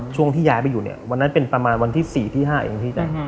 ช่วงที่ย้ายไปอยู่เนี่ยวันนั้นเป็นประมาณวันที่๔ที่๕เองพี่แจ๊ค